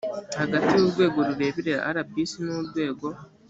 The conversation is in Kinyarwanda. hagati y urwego rureberera rbc n urwego